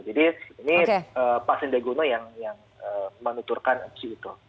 jadi ini pak sandiaga uno yang menuturkan opsi itu